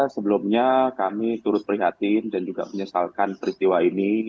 sebelumnya kami turut prihatin dan juga menyesalkan peristiwa ini